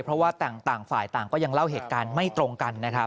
เพราะว่าต่างฝ่ายต่างก็ยังเล่าเหตุการณ์ไม่ตรงกันนะครับ